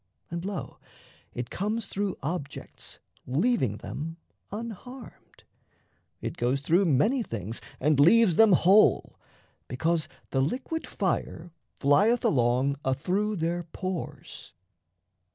And, lo, It comes through objects leaving them unharmed, It goes through many things and leaves them whole, Because the liquid fire flieth along Athrough their pores.